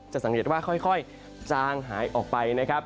สังเกตว่าค่อยจางหายออกไปนะครับ